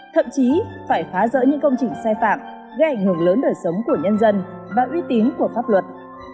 thậm chí phải phá rỡ những công trình sai phạm gây ảnh hưởng lớn đời sống của nhân dân và uy tín của pháp luật